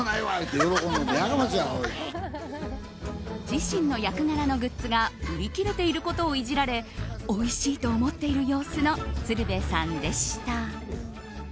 自身の役柄のグッズが売り切れていることをイジられおいしいと思っている様子の鶴瓶さんでした。